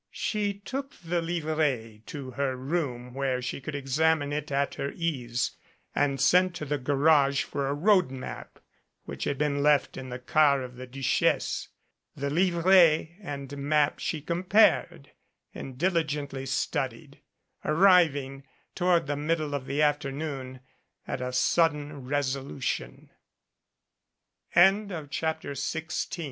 She took the livret to her room where she could ex amine it at her ease and sent to the garage for a road map which had been left in the car of the Duchesse. The livret and map she compared, and diligently studied, ar riving, toward the middle of the afternoon, at a sudden ' resolution. CHAPTER XVII PERE GUEGOU'S